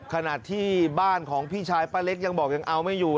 ขนาดที่บ้านของพี่ชายป้าเล็กยังบอกยังเอาไม่อยู่